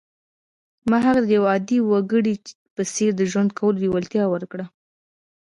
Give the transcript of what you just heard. ما هغه ته د یوه عادي وګړي په څېر د ژوند کولو لېوالتیا ورکړه